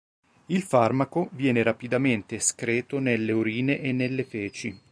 Il farmaco viene rapidamente escreto nelle urine e nelle feci.